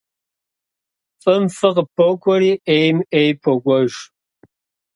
ФӀым фӀы къыпокӀуэри, Ӏейм Ӏей покӀуэж.